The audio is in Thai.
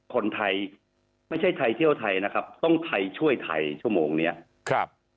คนไทยไม่ใช่ไทยเที่ยวไทยนะครับต้องไทยช่วยไทยชั่วโมงเนี้ยครับ